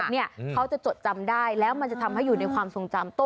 เนี่ยเขาจะจดจำได้แล้วมันจะทำให้อยู่ในความทรงจำ